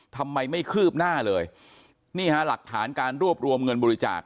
ทำไมไม่คืบหน้าเลยนี่ฮะหลักฐานการรวบรวมเงินบริจาค